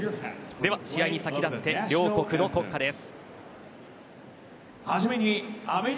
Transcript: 試合に先立って両国の国歌です。